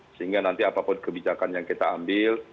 sehingga nanti apapun kebijakan yang kita ambil